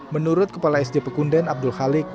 menurut kepala sd pekunden abdul khaliq